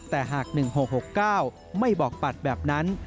แต่หาก๑๖๖๙ไม่บอกปัดแบบนั้น